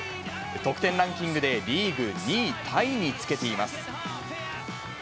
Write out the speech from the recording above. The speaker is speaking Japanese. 得点ランキングでリーグ２位タイにつけています。